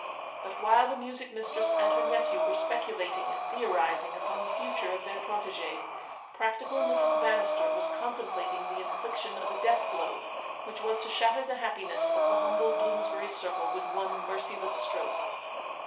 But while the music mistress and her nephew were speculating and theorising upon the future of their protegee, practical Mrs. Bannister was contemplating the infliction of a death blow which was to shatter the happiness of the humble Bloomsbury circle with one merciless stroke.